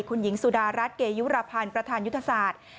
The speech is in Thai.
คุณหญิงสุดารัฐเกยุรพันธ์ประธานยุทธศาสตร์